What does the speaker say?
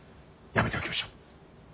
やめておきましょう。